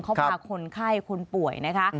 เขาพาคนไข้คนป่วยนะคะ